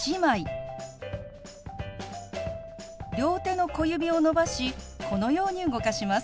両手の小指を伸ばしこのように動かします。